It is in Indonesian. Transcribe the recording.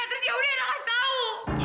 terus yaudah eira kasih tahu